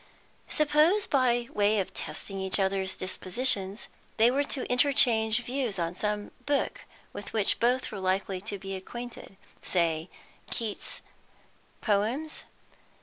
Suppose, by way of testing each other's dispositions, they were to interchange views on some book with which both were likely to be acquainted: say, Keats's poems?